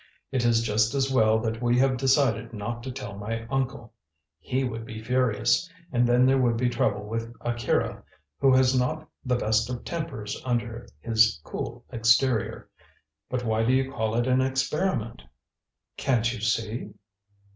It is just as well that we have decided not to tell my uncle. He would be furious, and then there would be trouble with Akira, who has not the best of tempers under his cool exterior. But why do you call it an experiment?" "Can't you see?"